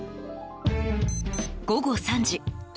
午後３時。